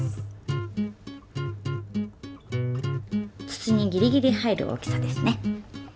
筒にギリギリ入る大きさですね。